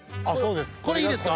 これいいですか？